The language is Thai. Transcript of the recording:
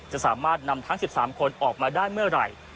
จะสามารถนำทั้ง๑๓คนออกมาได้เมื่อไหร่